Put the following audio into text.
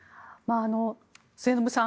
末延さん